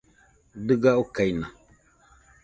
Dɨga okaina.